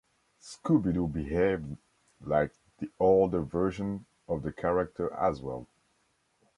Scooby-Doo behaved like the older version of the character as well.